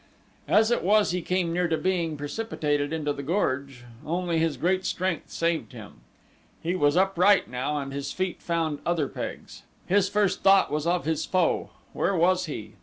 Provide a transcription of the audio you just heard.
As it was he came near to being precipitated into the gorge only his great strength saved him. He was upright now and his feet found other pegs. His first thought was of his foe. Where was he?